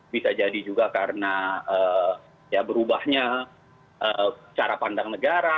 bisa jadi juga karena ya berubahnya cara pandang negara